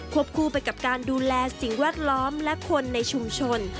คู่ไปกับการดูแลสิ่งแวดล้อมและคนในชุมชน